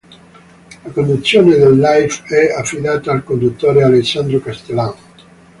La conduzione del live è affidata al conduttore Alessandro Cattelan.